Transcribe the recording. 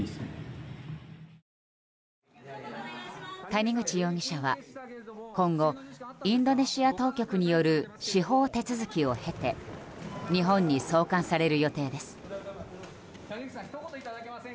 谷口容疑者は今後、インドネシア当局による司法手続きを経て日本に送還される予定です。